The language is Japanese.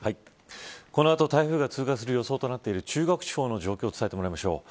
この後、台風が通過する予想となっている中国地方の状況を伝えてもらいましょう。